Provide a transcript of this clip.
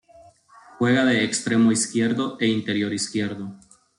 Juega de extremo izquierdo e interior izquierdo.